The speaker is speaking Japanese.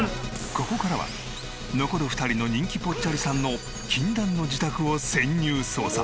ここからは残る２人の人気ぽっちゃりさんの禁断の自宅を潜入捜査。